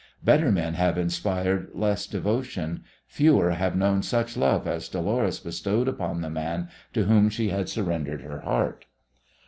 Better men have inspired less devotion; fewer have known such love as Dolores bestowed upon the man to whom she had surrendered her heart.